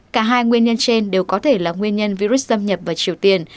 cả hai nguyên nhân trên đều có thể là nguyên nhân virus xâm nhập vào triều tiền